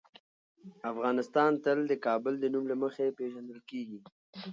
افغانستان تل د کابل د نوم له مخې پېژندل کېږي.